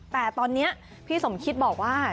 แต่ตอนนี้พี่สมคิดบอกว่า